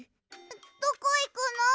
どこいくの？